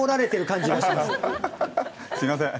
すみません。